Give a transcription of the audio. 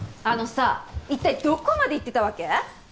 あのさ一体どこまで行ってたわけ？